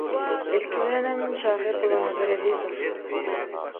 Ilki bilenem şahyr Gurbannazar Ezizow.